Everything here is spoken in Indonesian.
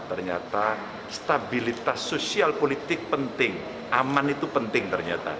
ternyata stabilitas sosial politik penting aman itu penting ternyata